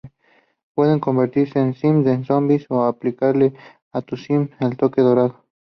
Puedes convertir a Sims en zombis o aplicarle a tu Sim el toque dorado.